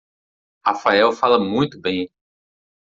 Rafael fala muito bem.